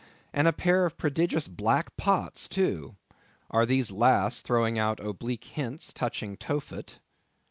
and a pair of prodigious black pots too! Are these last throwing out oblique hints touching Tophet?